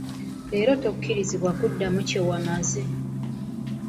Leero tokkirizibwa kuddamu kye wamaze.